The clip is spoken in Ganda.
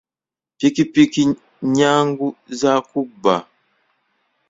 Piki piki nnyangu za kubba.